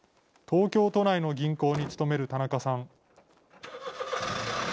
東京都内の銀行に勤める田中さん。